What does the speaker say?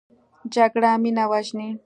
جګړه مینه وژني